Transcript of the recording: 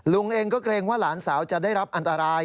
ลุงเองก็เกรงว่าหลานสาวจะได้รับอันตราย